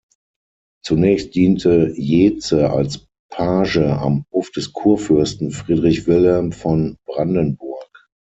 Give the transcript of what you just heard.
Zunächst diente Jeetze als Page am Hof des Kurfürsten Friedrich Wilhelm von Brandenburg.